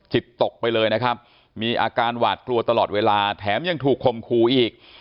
จิตตกไปเลยนะครับมีอาการหวาดกลัวตลอดเวลาแถมยังถูกคมคู่อีก